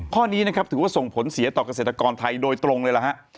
ข้อนี้ถือว่าส่งผลเสียต่อกเกษตรกรไทยโดยตรงเลย